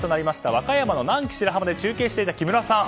和歌山の南紀白浜で中継をしていた木村さん。